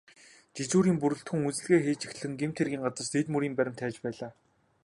Жижүүрийн бүрэлдэхүүн үзлэгээ хийж эхлэн хэргийн газраас эд мөрийн баримт хайж байлаа.